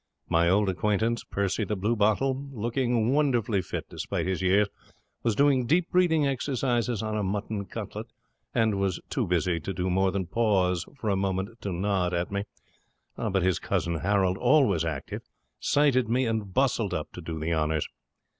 My old acquaintance, Percy the bluebottle, looking wonderfully fit despite his years, was doing deep breathing exercises on a mutton cutlet, and was too busy to do more than pause for a moment to nod at me; but his cousin, Harold, always active, sighted me and bustled up to do the honours.